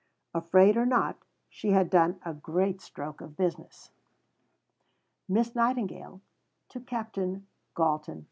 Afraid or not, she had done a great stroke of business: (_Miss Nightingale to Captain Galton.